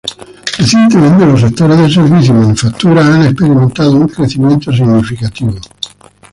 Recientemente, los sectores de servicios y manufacturas han experimentado un crecimiento significativo.